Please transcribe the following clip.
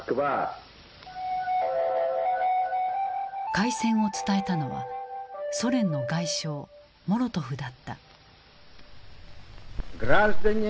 開戦を伝えたのはソ連の外相モロトフだった。